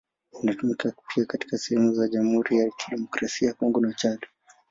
Inatumika pia katika sehemu za Jamhuri ya Kidemokrasia ya Kongo na Chad.